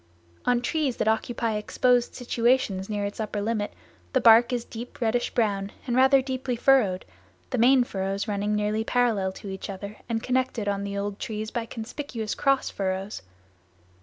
On trees that occupy exposed situations near its upper limit the bark is deep reddish brown and rather deeply furrowed, the main furrows running nearly parallel to each other and connected on the old trees by conspicuous cross furrows.